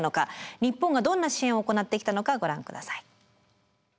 日本がどんな支援を行ってきたのかご覧ください。